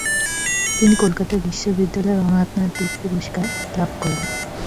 তিনি কলকাতা বিশ্ববিদ্যালয়ের 'অনাথনাথ দেব পুরস্কার' লাভ করেন।